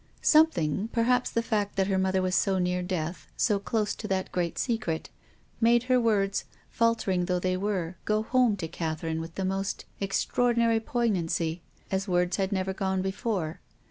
Something — perhaps the fact that her mother was so near death, so close to that great secret, — made her words, faltering though they were, go home to Catherine with the most extraordinary poignancy, as words had never gone before.